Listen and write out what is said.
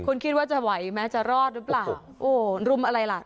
คุณคิดว่าจะไหวไหมจะรอดหรือเปล่าโอ้รุมอะไรล่ะ